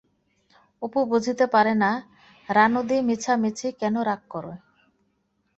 অপু বুঝিতে পারে না রানুদি মিছামিছি কেন রাগ করে!